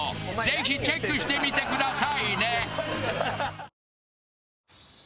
ぜひチェックしてみてくださいね。